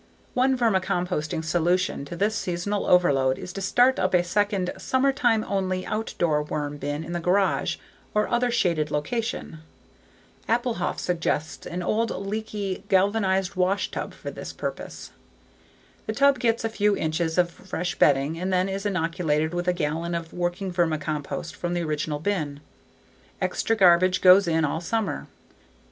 One vermicomposting solution to this seasonal overload is to start up a second, summertime only outdoor worm bin in the garage or other shaded location. Appelhof uses an old, leaky galvanized washtub for this purpose. The tub gets a few inches of fresh bedding and then is inoculated with a gallon of working vermicompost from the original bin. Extra garbage goes in all summer.